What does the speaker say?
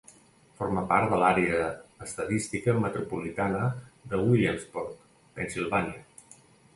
Forma part de l'àrea estadística metropolitana de Williamsport, Pennsylvania.